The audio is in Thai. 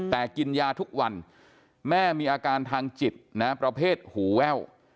แต่กินยาทุกวันแม่มีอาการทางจิตนะประเภทหูแว่ว